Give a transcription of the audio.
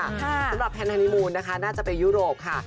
สำหรับแฮนฮานิมูลนะคะน่าจะไปยุโรปค่ะ